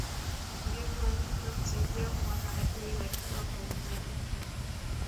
urefu wa twiga husaidia kuona adui wakiwa kwa umbali mrefu